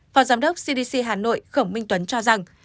phó giám đốc cdc hà nội khổng minh tuấn cho rằng